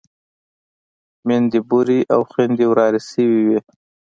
ميندې بورې او خويندې ورارې شوې وې.